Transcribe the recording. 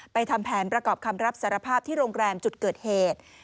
ทำแผนประกอบคำรับสารภาพที่โรงแรมจุดเกิดเหตุ